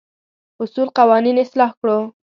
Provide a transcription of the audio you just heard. اصول قوانين اصلاح کړو.